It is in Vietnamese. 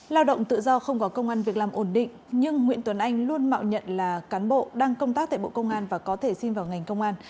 lao động tự do không có công an việc làm ổn định nhưng nguyễn tuấn anh luôn mạo nhận là cán bộ đang công tác tại bộ công an và có thể xin vào ngành công an